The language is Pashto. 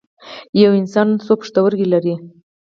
یو انسان څو پښتورګي لري